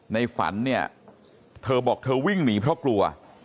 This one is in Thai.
ในฝันเนี่ยเธอบอกเธอวิ่งหนีเพราะกลัว